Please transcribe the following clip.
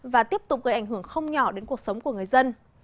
và tiếp tục gây ảnh hưởng không nhỏ đến cuộc sống của người dân